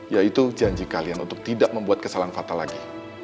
yaitu janji kalian untuk tidak membuat kesalahan fatal lagi